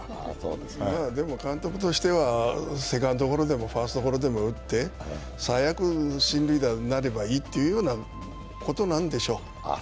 でも監督としてはセカンドゴロでもファーストゴロでも打って最悪、進塁打になればいいということなんでしょう。